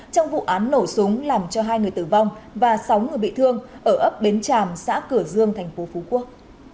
trong vụ án nổ súng làm cho hai người tử vong và sáu người bị thương ở ấp bến tràm xã cửa dương tp phú quốc